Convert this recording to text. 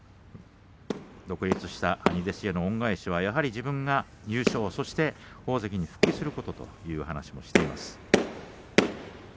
高安も独立した兄弟子への恩返しは自分が優勝そして大関へ復帰することと話しています。